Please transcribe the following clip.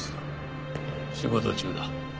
仕事中だ。